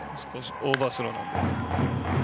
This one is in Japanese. オーバースローの。